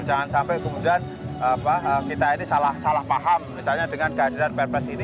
jangan sampai kemudian kita ini salah paham misalnya dengan kehadiran perpres ini